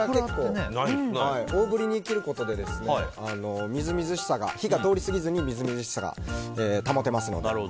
大ぶりに切ることで火が通りすぎずにみずみずしさが保てますので。